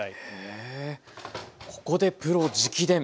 ここで「プロ直伝！」。